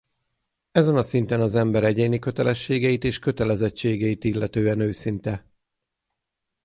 Ezen a szinten az ember egyéni kötelességeit és kötelezettségeit illetően őszinte.